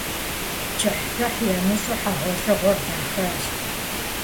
КӀыхьлӀыхь ямыщӀу хьэгъуэлӀыгъуэр дахащ.